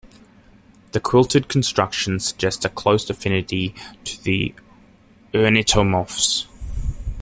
The quilted construction suggests a close affinity to the erniettomorphs.